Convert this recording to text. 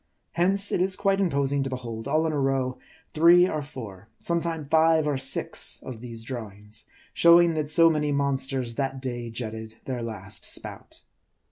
Hence, it is quite imposing to behold, all in a row, three or four, sometime five or six, of these drawings ; showing that so many monsters that day jetted their last spout.